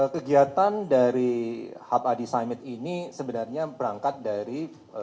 kegiatan dari hub adi symed ini sebenarnya berangkat dari